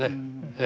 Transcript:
ええ。